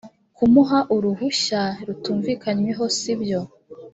kumuha uruhushya rutumvikanyweho si byo